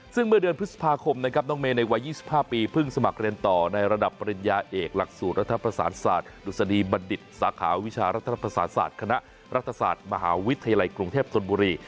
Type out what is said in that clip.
ซึ่งเมื่อเดือนพฤษภาคมนะครับน้องเมย์ในวัย๒๕ปีเพิ่งสมัครเรียนต่อในระดับปริญญาเอกหลักสูตรรัฐประสานศาสตร์ดุษฎีบัณฑิตสาขาวิชารัฐประสาศาสตร์คณะรัฐศาสตร์มหาวิทยาลัยกรุงเทพธนบุรี